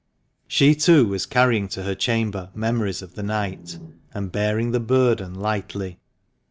She, too, was carrying to her chamber memories of the night, and bearing the burden lightly.